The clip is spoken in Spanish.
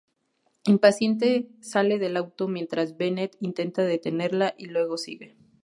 Impaciente, sale del auto mientras Bennett intenta detenerla, y luego sigue.